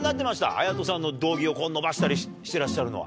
颯人さんの道着をこう、伸ばしたりしてらっしゃるのは。